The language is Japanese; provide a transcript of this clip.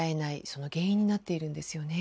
その原因になっているんですよね。